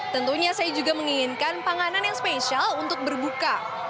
tentunya saya juga menginginkan panganan yang spesial untuk berbuka